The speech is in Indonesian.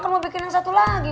kalau mau bikin yang satu lagi